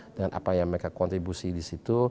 dan apa yang mereka kontribusi di situ